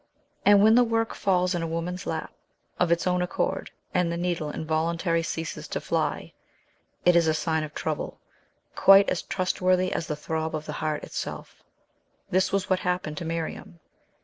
And when the work falls in a woman's lap, of its own accord, and the needle involuntarily ceases to fly, it is a sign of trouble, quite as trustworthy as the throb of the heart itself. This was what happened to Miriam.